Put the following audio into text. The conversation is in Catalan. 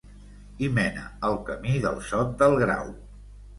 Hi mena el Camí del Sot del Grau.